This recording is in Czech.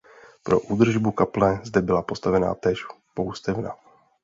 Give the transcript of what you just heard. Pro údržbu kaple zde byla postavena též poustevna.